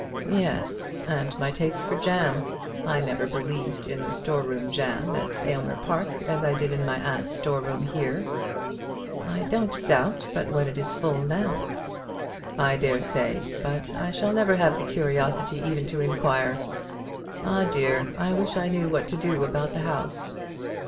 "Yes; and my taste for jam. I never believed in the store room at Aylmer Park as I did in my aunt's store room here." "I don't doubt but what it is full now." "I dare say; but I shall never have the curiosity even to inquire. Ah, dear, I wish I knew what to do about the house."